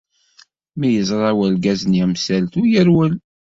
Mi yeẓra urgaz-nni amsaltu, yerwel.